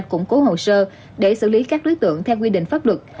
củng cố hồ sơ để xử lý các đối tượng theo quy định pháp luật